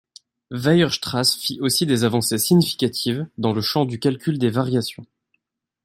Weierstrass fit aussi des avancées significatives dans le champ du calcul des variations.